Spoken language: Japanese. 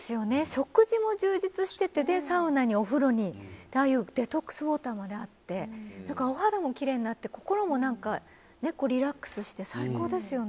食事も充実してて、サウナにお風呂に、ああいうデトックスウォーターまであって、なんか、お肌もきれいになって、心もなんか、リラックスして最高ですよね。